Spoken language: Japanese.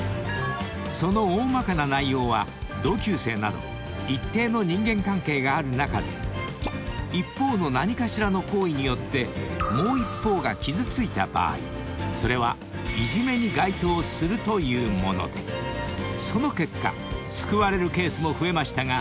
［その大まかな内容は同級生など一定の人間関係がある中で一方の何かしらの行為によってもう一方が傷ついた場合それはいじめに該当するというものでその結果］